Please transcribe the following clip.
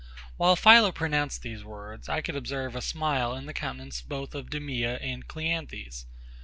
While PHILO pronounced these words, I could observe a smile in the countenance both of DEMEA and CLEANTHES.